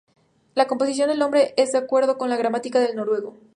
La composición del nombre es de acuerdo con la gramática del noruego.